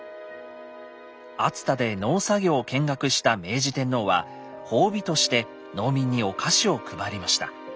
熱田で農作業を見学した明治天皇は褒美として農民にお菓子を配りました。